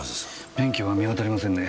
免許が見当たりませんね。